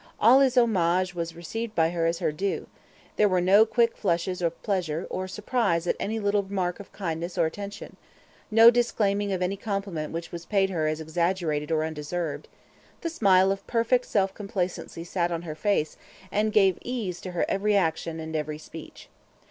All his homage was received by her as her due; there were no quick flushes of pleasure or surprise at any little mark of kindness or attention; no disclaiming of any compliment which was paid her as exaggerated or undeserved; the smile of perfect self complacency sat on her face, and gave ease to her every action and every speech.